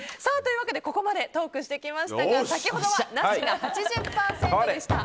ここまでトークしてきましたが先ほどはなしが８０％でした。